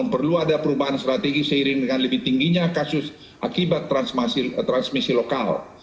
perlu ada perubahan strategi seiring dengan lebih tingginya kasus akibat transmisi lokal